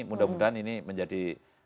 mudah mudahan ini menjadi